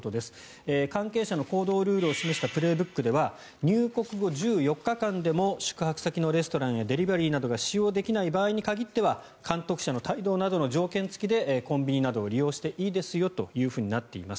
関係者の行動ルールを示した「プレーブック」では入国後１４日間でも宿泊先のレストランやデリバリーなどが使用できない場合に限っては監督者の帯同などの条件付きでコンビニなどを利用していいですよとなっています。